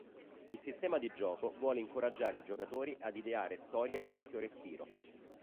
Il sistema di gioco vuole incoraggiare i giocatori ad ideare storie di ampio respiro.